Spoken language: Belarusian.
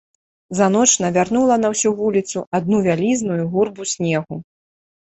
За ноч навярнула на ўсю вуліцу адну вялізную гурбу снегу.